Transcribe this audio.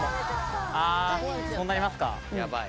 あそうなりますか？